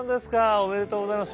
おめでとうございます。